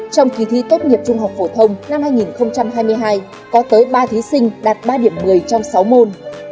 trong kỳ thi tốt nghiệp trung học phổ thông năm hai nghìn hai mươi hai có tới ba thí sinh đạt ba điểm một mươi trong sáu môn